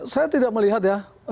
saya tidak melihat ya